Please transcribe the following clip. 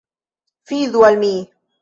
Fidu al mi!